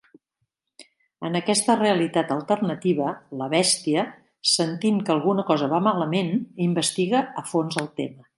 En aquesta realitat alternativa, la Bèstia, sentint que alguna cosa va malament, investiga a fons el tema.